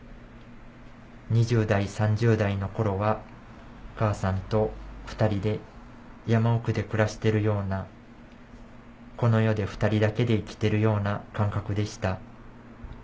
２０代３０代の頃はお母さんと２人で山奥で暮らしてるようなこの世で２人だけで生きてるような感覚でした。